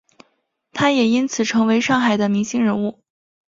他也因此成为上海的明星人物。